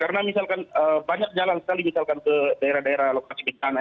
karena misalkan banyak jalan sekali misalkan ke daerah daerah lokasi bencana